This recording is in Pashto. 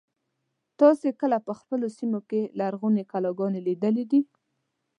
تاسې کله په خپلو سیمو کې لرغونې کلاګانې لیدلي دي.